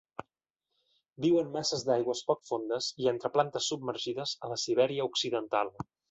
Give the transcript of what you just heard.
Viu en masses d'aigües poc fondes i entre plantes submergides a la Sibèria Occidental.